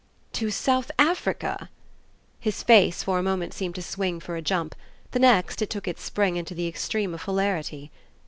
"To South Africa?" His face, for a moment, seemed to swing for a jump; the next it took its spring into the extreme of hilarity.